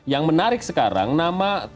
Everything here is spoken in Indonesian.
yang menarik sekarang nama